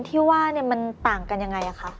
ที่ว่าเนี้ยมันต่างกันยังไงอะค่ะ